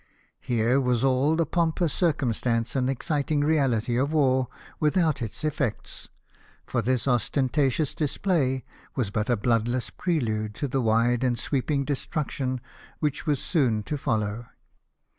Here was all the pompous circumstance and excitmg reality of war without its effects, for this ostentatious display was but a bloodless prelude to the wide and sweeping destruction which was soon to follow.